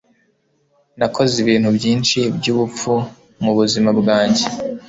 Nakoze ibintu byinshi byubupfu mubuzima bwanjye.